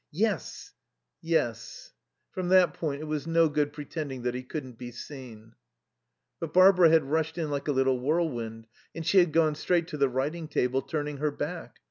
Yes. Yes. From that point it was no good pretending that he couldn't be seen. But Barbara had rushed in like a little whirlwind, and she had gone straight to the writing table, turning her back.